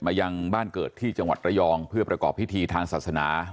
ยังบ้านเกิดที่จังหวัดระยองเพื่อประกอบพิธีทางศาสนา